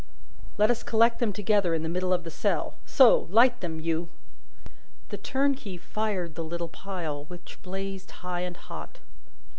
"Let us collect them together, in the middle of the cell. So! Light them, you!" The turnkey fired the little pile, which blazed high and hot.